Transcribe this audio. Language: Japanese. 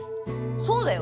そうだよ！